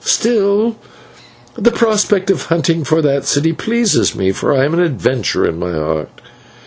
"Still, the prospect of hunting for that city pleases me, for I am an adventurer in my heart.